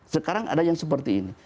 sekarang ada yang seperti ini